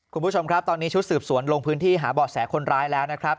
คุณผู้ชมครับตอนนี้ชุดสืบสวนลงพื้นที่หาเบาะแสคนร้ายแล้วนะครับ